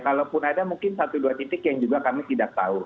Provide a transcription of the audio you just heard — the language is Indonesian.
kalaupun ada mungkin satu dua titik yang juga kami tidak tahu